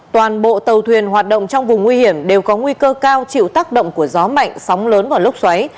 toàn bộ tàu thuyền hoạt động trong vùng nguy hiểm đều có nguy cơ cao chịu tác động của gió mạnh sóng lớn và lốc xoáy